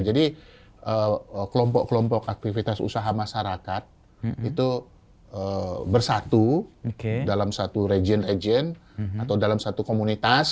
jadi kelompok kelompok aktivitas usaha masyarakat itu bersatu dalam satu region region atau dalam satu komunitas